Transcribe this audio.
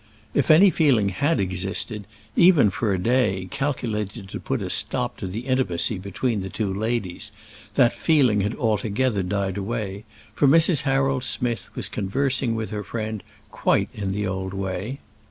If any feeling had existed, even for a day, calculated to put a stop to the intimacy between the two ladies, that feeling had altogether died away, for Mrs. Harold Smith was conversing with her friend, quite in the old way.